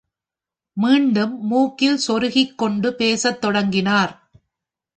மீண்டும் மூக்கில் சொருகிக் கொண்டு பேசத் தொடங்கினார்.